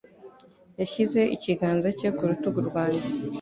Yashyize ikiganza cye ku rutugu rwanjye.